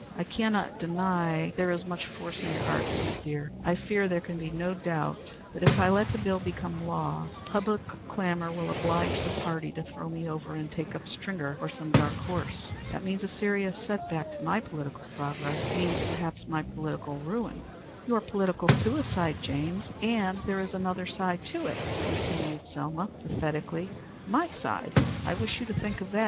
"I cannot deny there is much force in your argument, dear. I fear there can be no doubt that if I let the bill become law, public clamor will oblige the party to throw me over and take up Stringer or some dark horse. That means a serious setback to my political progress; means perhaps my political ruin." "Your political suicide, James. And there is another side to it," continued Selma, pathetically. "My side. I wish you to think of that.